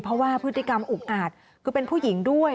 เพราะว่าพฤติกรรมอุกอาจคือเป็นผู้หญิงด้วย